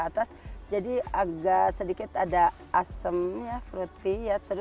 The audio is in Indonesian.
atas jadi agak sedikit ada asemnya